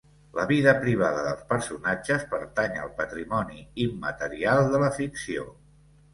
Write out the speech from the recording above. La vida privada dels personatges pertany al patrimoni immaterial de la ficció.